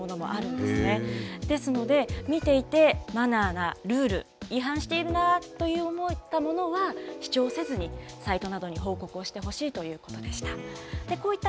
ですので、見ていてマナーやルール、違反しているなあと思ったものは、視聴せずに、サイトなどに報告をしてほしいということでした。